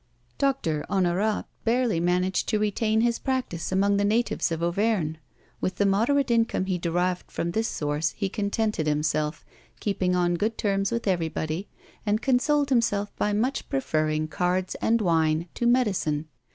Doctor Honorat barely managed to retain his practice among the natives of Auvergne. With the moderate income he derived from this source he contented himself, keeping on good terms with everybody, and consoled himself by much preferring cards and wine to medicine.